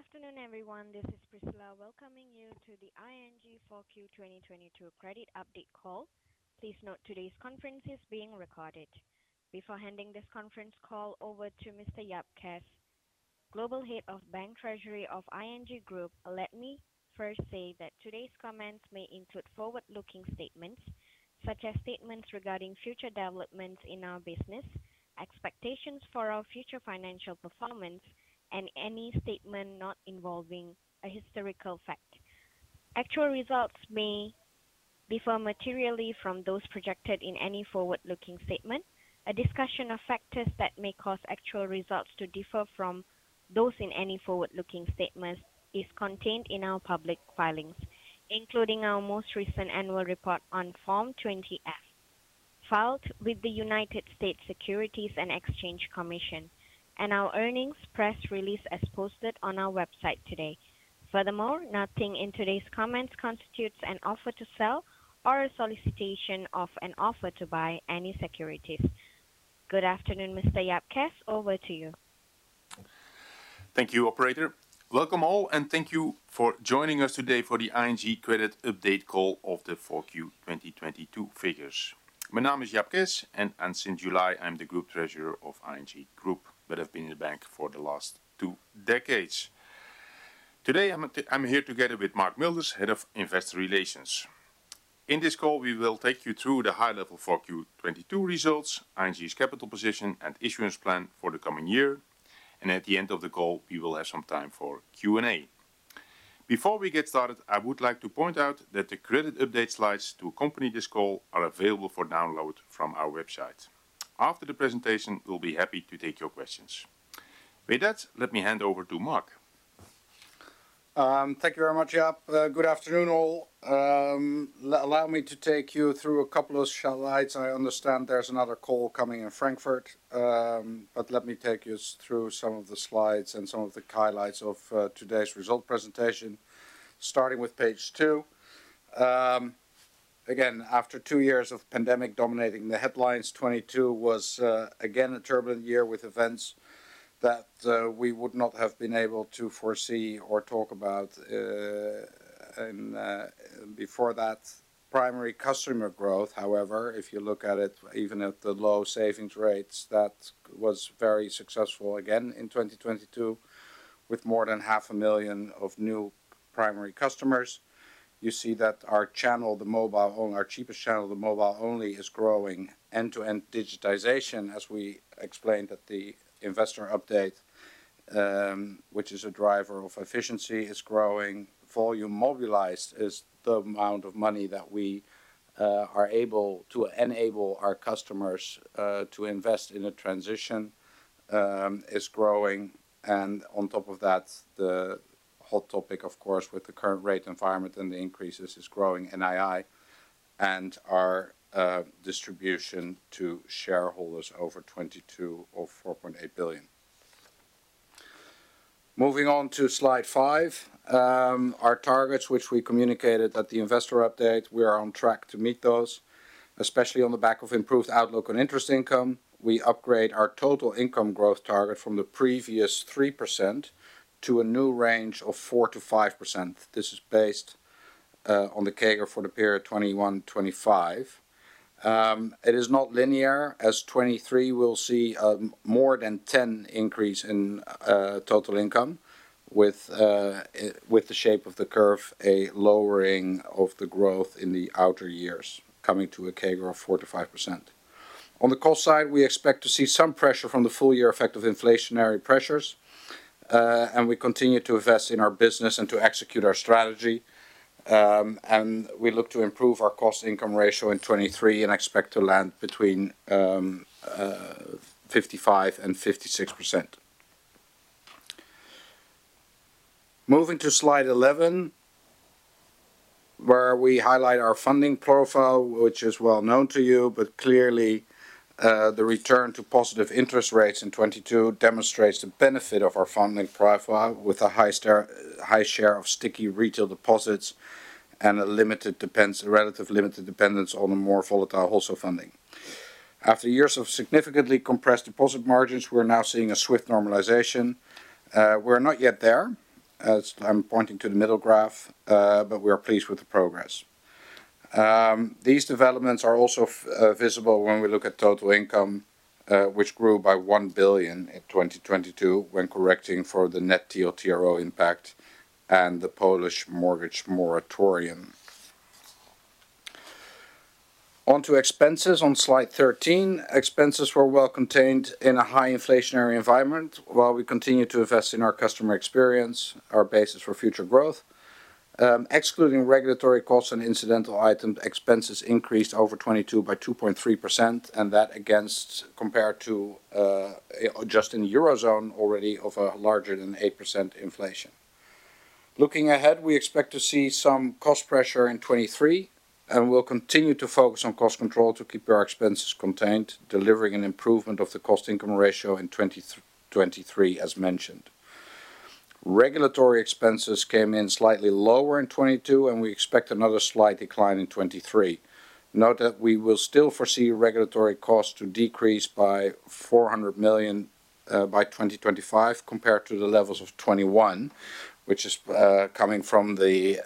Good afternoon, everyone. This is Priscilla, welcoming you to the ING 4Q 2022 credit update call. Please note today's conference is being recorded. Before handing this conference call over to Mr. Jaap Kessens, Global Head of Bank Treasury of ING Group, let me first say that today's comments may include forward-looking statements such as statements regarding future developments in our business, expectations for our future financial performance, and any statement not involving a historical fact. Actual results may differ materially from those projected in any forward-looking statement. A discussion of factors that may cause actual results to differ from those in any forward-looking statements is contained in our public filings, including our most recent annual report on Form 20-F, filed with the United States Securities and Exchange Commission, and our earnings press release as posted on our website today. Furthermore, nothing in today's comments constitutes an offer to sell or a solicitation of an offer to buy any securities. Good afternoon, Mr. Jaap Kessens. Over to you. Thank you, operator. Welcome all, and thank you for joining us today for the ING credit update call of the 4Q 2022 figures. My name is Jaap Kessens, and since July, I'm the Group Treasurer of ING Group, but I've been in the bank for the last two decades. Today, I'm here together with Mark Milders, Head of Investor Relations. In this call, we will take you through the high level 4Q 2022 results, ING's capital position and issuance plan for the coming year. At the end of the call, we will have some time for Q&A. Before we get started, I would like to point out that the credit update slides to accompany this call are available for download from our website. After the presentation, we'll be happy to take your questions. With that, let me hand over to Mark. Thank you very much, Jaap. Good afternoon all. Allow me to take you through a couple of slides. I understand there's another call coming in Frankfurt. Let me take you through some of the slides and some of the highlights of today's result presentation. Starting with Page 2. Again, after two years of pandemic dominating the headlines, 2022 was again a turbulent year with events that we would not have been able to foresee or talk about before that. Primary customer growth, however, if you look at it, even at the low savings rates, that was very successful again in 2022, with more than half a million of new primary customers. You see that our channel, our cheapest channel, the mobile-only, is growing. End-to-end digitization, as we explained at the investor update, which is a driver of efficiency, is growing. Volume mobilized is the amount of money that we are able to enable our customers to invest in a transition, is growing. On top of that, the hot topic, of course, with the current rate environment and the increases is growing NII and our distribution to shareholders over 2022 of 4.8 billion. Moving on to Slide 5. Our targets, which we communicated at the investor update, we are on track to meet those, especially on the back of improved outlook on interest income. We upgrade our total income growth target from the previous 3% to a new range of 4%-5%. This is based on the CAGR for the period 2021, 2025. It is not linear. As 2023, we'll see more than 10% increase in total income with the shape of the curve, a lowering of the growth in the outer years coming to a CAGR of 4%-5%. On the cost side, we expect to see some pressure from the full year effect of inflationary pressures, we continue to invest in our business and to execute our strategy. We look to improve our cost income ratio in 2023 and expect to land between 55% and 56%. Moving to Slide 11, where we highlight our funding profile, which is well known to you, but clearly, the return to positive interest rates in 2022 demonstrates the benefit of our funding profile with a high share of sticky retail deposits and a relative limited dependence on the more volatile wholesale funding. After years of significantly compressed deposit margins, we're now seeing a swift normalization. We're not yet there, as I'm pointing to the middle graph, but we are pleased with the progress. These developments are also visible when we look at total income, which grew by 1 billion in 2022 when correcting for the net TLTRO impact and the Polish mortgage moratorium. On to expenses on Slide 13. Expenses were well contained in a high inflationary environment. While we continue to invest in our customer experience, our basis for future growth, excluding regulatory costs and incidental items, expenses increased over 2022 by 2.3%, compared to just in the Eurozone already of a larger than 8% inflation. Looking ahead, we expect to see some cost pressure in 2023, and we'll continue to focus on cost control to keep our expenses contained, delivering an improvement of the cost income ratio in 2023 as mentioned. Regulatory expenses came in slightly lower in 2022, and we expect another slight decline in 2023. Note that we will still foresee regulatory costs to decrease by 400 million by 2025 compared to the levels of 2021, which is coming from the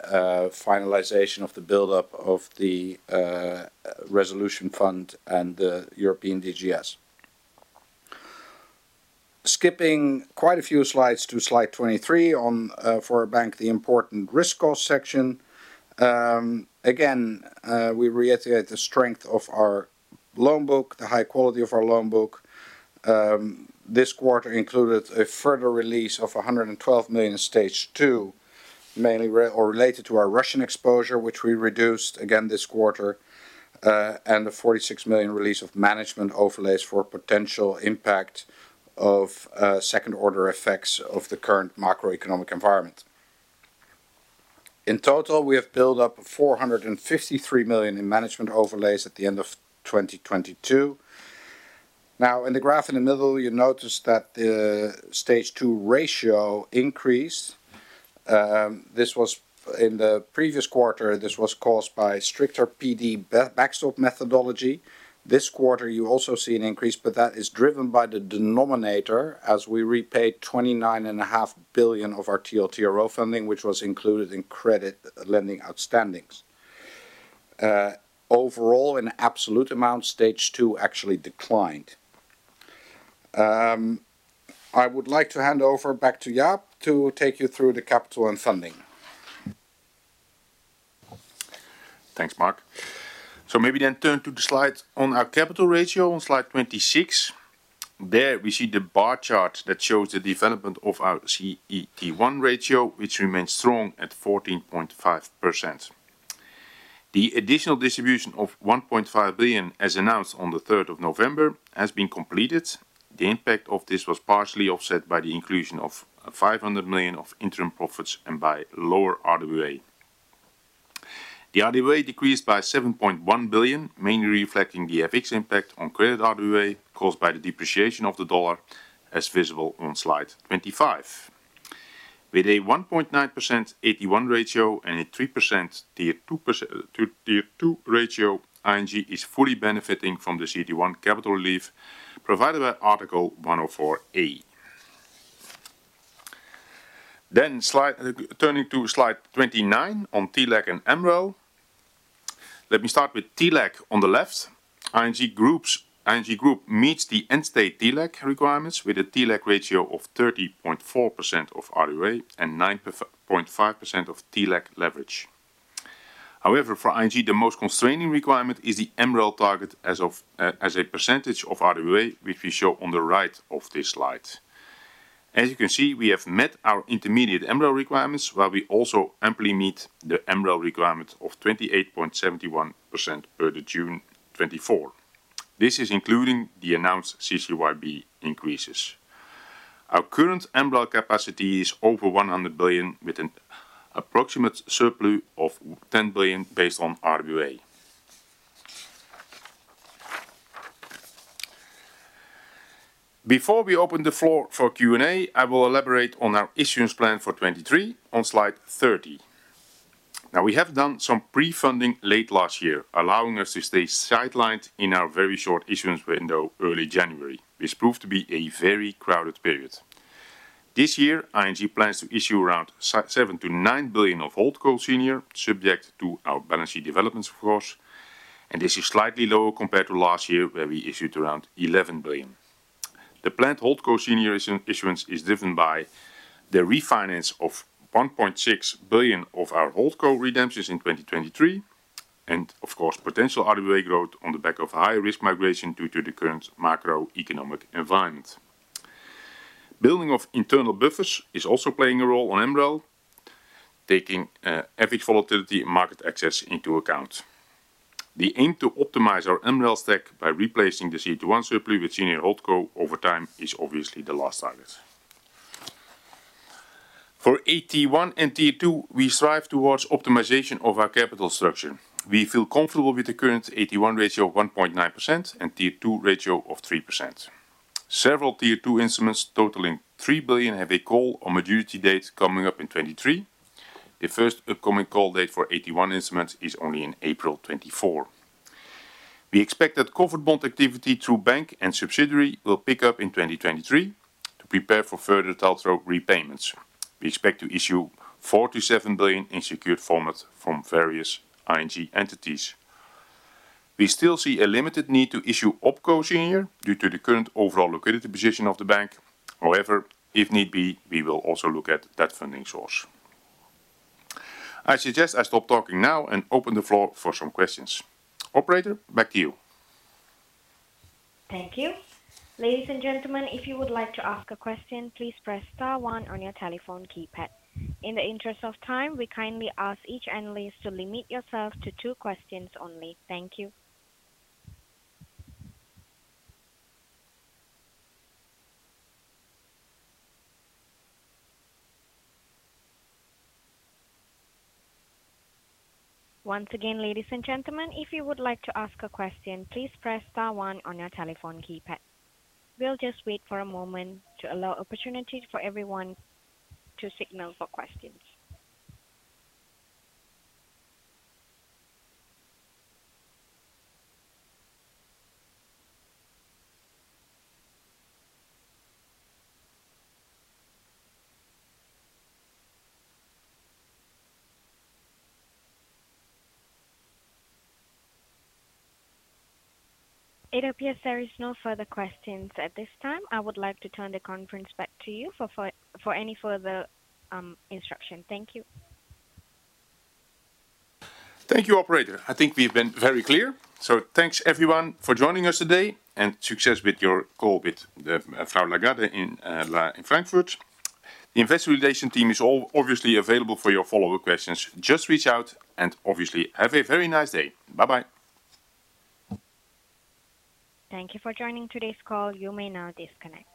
finalization of the buildup of the resolution fund and the European DGS. Skipping quite a few slides to Slide 23 on, for our bank, the important risk section. Again, we reiterate the strength of our loan book, the high quality of our loan book. This quarter included a further release of 112 million Stage 2, mainly related to our Russian exposure, which we reduced again this quarter, and the 46 million release of management overlays for potential impact of second order effects of the current macroeconomic environment. In total, we have built up 453 million in management overlays at the end of 2022. In the graph in the middle, you notice that the Stage 2 ratio increased. In the previous quarter, this was caused by stricter PD backstop methodology. This quarter, you also see an increase, but that is driven by the denominator as we repaid 29 and a half billion of our TLTRO funding, which was included in credit lending outstandings. Overall, in absolute amount, Stage 2 actually declined. I would like to hand over back to Jaap to take you through the capital and funding. Thanks, Mark. Maybe turn to the slides on our capital ratio on Slide 26. There we see the bar chart that shows the development of our CET1 ratio, which remains strong at 14.5%. The additional distribution of 1.5 billion as announced on the 3rd of November has been completed. The impact of this was partially offset by the inclusion of 500 million of interim profits and by lower RWA. The RWA decreased by 7.1 billion, mainly reflecting the FX impact on credit RWA caused by the depreciation of the dollar as visible on slide 25. With a 1.9% AT1 ratio and a 3% Tier 2 ratio, ING is fully benefiting from the CET1 capital relief provided by Article 104a. Turning to Slide 29 on TLAC and MREL. Let me start with TLAC on the left. ING Group meets the end state TLAC requirements with a TLAC ratio of 30.4% of RWA and 9.5% of TLAC leverage. However, for ING, the most constraining requirement is the MREL target as a % of RWA, which we show on the right of this slide. As you can see, we have met our intermediate MREL requirements, while we also amply meet the MREL requirement of 28.71% per the June 2024. This is including the announced CCyB increases. Our current MREL capacity is over 100 billion, with an approximate surplus of 10 billion based on RWA. Before we open the floor for Q&A, I will elaborate on our issuance plan for 2023 on Slide 30. We have done some pre-funding late last year, allowing us to stay sidelined in our very short issuance window early January, which proved to be a very crowded period. This year, ING plans to issue around 7-9 billion of Holdco Senior, subject to our balance sheet developments, of course, and this is slightly lower compared to last year, where we issued around 11 billion. The planned Holdco Senior issuance is driven by the refinance of 1.6 billion of our Holdco redemptions in 2023 and of course, potential RWA growth on the back of high risk migration due to the current macroeconomic environment. Building of internal buffers is also playing a role on MREL, taking average volatility and market access into account. The aim to optimize our MREL stack by replacing the CET1 surplus with Senior Holdco over time is obviously the last target. AT1 and Tier 2, we strive towards optimization of our capital structure. We feel comfortable with the current AT1 ratio of 1.9% and Tier 2 ratio of 3%. Several Tier 2 instruments totaling 3 billion have a call or maturity date coming up in 2023. The first upcoming call date for AT1 instruments is only in April 2024. We expect that covered bond activity through bank and subsidiary will pick up in 2023 to prepare for further TLTRO repayments. We expect to issue 4 billion-7 billion in secured format from various ING entities. We still see a limited need to issue Opco Senior due to the current overall liquidity position of the bank. If need be, we will also look at that funding source. I suggest I stop talking now and open the floor for some questions. Operator, back to you. Thank you. Ladies and gentlemen, if you would like to ask a question, please press star one on your telephone keypad. In the interest of time, we kindly ask each analyst to limit yourself to two questions only. Thank you. Once again, ladies and gentlemen, if you would like to ask a question, please press star one on your telephone keypad. We'll just wait for a moment to allow opportunity for everyone to signal for questions. It appears there is no further questions at this time. I would like to turn the conference back to you for any further instruction. Thank you. Thank you, operator. I think we've been very clear, so thanks everyone for joining us today and success with your call with Christine Lagarde in Frankfurt. The investor relation team is obviously available for your follow-up questions. Just reach out and obviously have a very nice day. Bye-bye. Thank you for joining today's call. You may now disconnect.